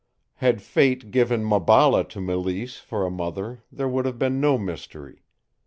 Had fate given Maballa to Mélisse for a mother there would have been no mystery.